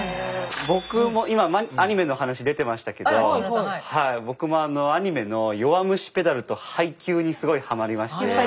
僕も今アニメの話出てましたけど僕もアニメの「弱虫ペダル」と「ハイキュー‼」にすごいハマりまして。